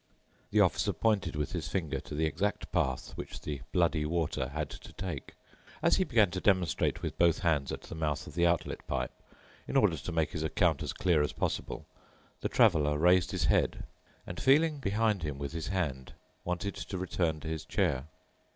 The officer pointed with his finger to the exact path which the bloody water had to take. As he began to demonstrate with both hands at the mouth of the outlet pipe, in order to make his account as clear as possible, the Traveler raised his head and, feeling behind him with his hand, wanted to return to his chair.